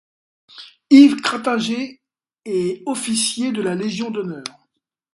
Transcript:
Yves Krattinger est officier de la Légion d'honneur.